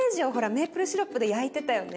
メイプルシロップで焼いてたよね。